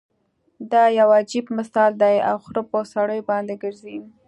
دا يو عجیب مثال دی او خر په سړیو باندې ګرځي.